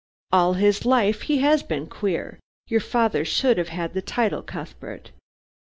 "All his life he has been queer. Your father should have had the title, Cuthbert!"